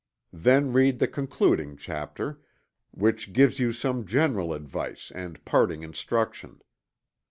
Then read the concluding chapter, which gives you some general advice and parting instruction.